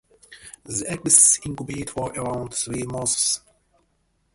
The eggs incubate for around three months.